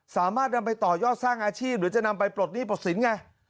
สามารถนำไปต่อยอดสร้างอาชีพหรือจะนำไปปลดหนี้ปลดสินไง